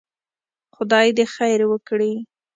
خدای دې خير وکړي.